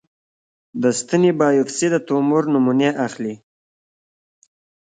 د ستنې بایوپسي د تومور نمونې اخلي.